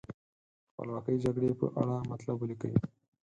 د خپلواکۍ جګړې په اړه مطلب ولیکئ.